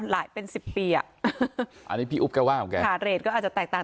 หลายเป็นสิบปีอ่ะอันนี้พี่อุ๊บแกว่าเหรอแกขาดเรทก็อาจจะแตกต่าง